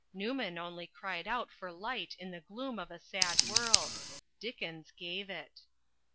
Newman only cried out for light in the gloom of a sad world. Dickens gave it.